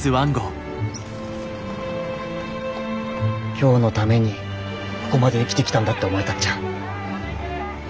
今日のためにここまで生きてきたんだって思えたっちゃ。